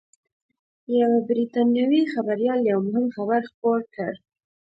یوه بریټانوي خبریال یو مهم خبر خپور کړ